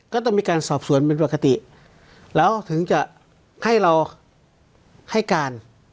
ก็ต้องมีการสอบสวนเป็นปกติแล้วถึงจะให้เราให้การ